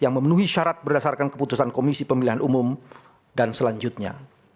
yang memenuhi syarat berdasarkan keputusan komisi pemilihan umum dan selanjutnya